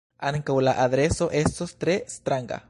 Ankaŭ la adreso estos tre stranga.